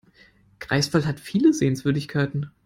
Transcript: Greifswald hat viele Sehenswürdigkeiten